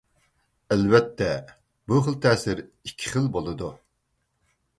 ئەلۋەتتە، بۇ خىل تەسىر ئىككى خىل بولىدۇ.